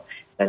dan ini yang